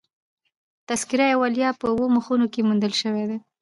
تذکرة الاولیاء" په اوو مخونو کښي موندل سوى دئ.